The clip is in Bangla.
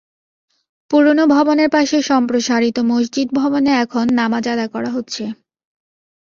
পুরোনো ভবনের পাশে সম্প্রসারিত মসজিদ ভবনে এখন নামাজ আদায় করা হচ্ছে।